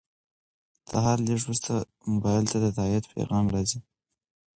د هر لیږد وروسته موبایل ته د تایید پیغام راځي.